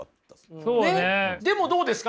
でもどうですか？